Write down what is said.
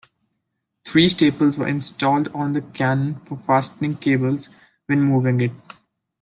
Three staples were installed on the cannon for fastening cables when moving it.